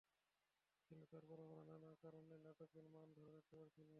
কিন্তু তারপরও আমরা নানা কারণে নাটকের মান ধরে রাখতে পারছি না।